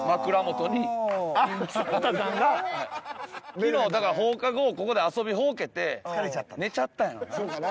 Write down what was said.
昨日だから放課後ここで遊びほうけて寝ちゃったんやろな。